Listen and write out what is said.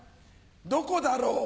どこだろう？